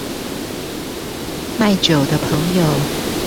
賣酒的朋友